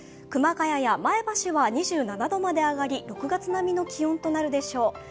熊谷や前橋は２７度まで上がり６月並みの気温となるでしょう。